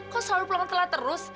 kok selalu pulang telat terus